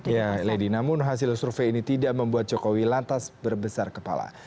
ya lady namun hasil survei ini tidak membuat jokowi lantas berbesar kepala